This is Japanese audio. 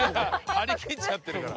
張り切っちゃってるから。